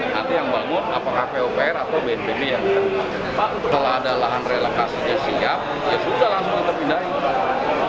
nanti yang bangun apakah pupr atau bnpb ya pak setelah ada lahan relokasinya siap ya sudah langsung terpindahin